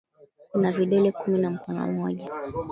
Kuna vidole kumi kwa mkono mmoja